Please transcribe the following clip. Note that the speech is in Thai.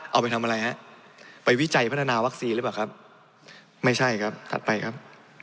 เอาไปทำอะไรฮะไปวิจัยพัฒนาวัคซีนหรือเปล่าครับไม่ใช่ครับถัดไปครับ